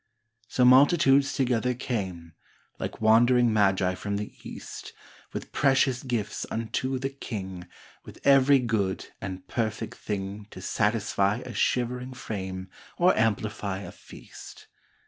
So multitudes together came, Like wandering magi from the East With precious gifts unto the King, With every good and perfect thing To satisfy a shivering frame Or amplify a feast.